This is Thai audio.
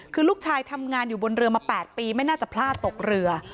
คือลูกชายทำงานอยู่บนเรือมา๘ปีไม่น่าจะพลาดตกเรือ